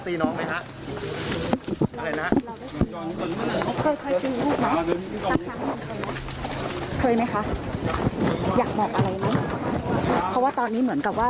เพราะว่าตอนนี้เหมือนกับว่า